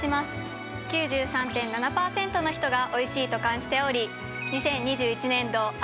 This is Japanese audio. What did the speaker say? ９３．７％の人がおいしいと感じており２０２１年度